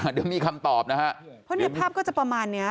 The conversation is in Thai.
เดี๋ยวมีคำตอบนะฮะเพราะเนี่ยภาพก็จะประมาณเนี้ย